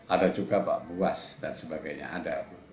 ada juga pak buas dan sebagainya ada